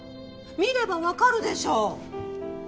見れば分かるでしょう。